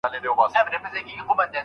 له نویو علمي پرمختګونو ځان خبر کړئ.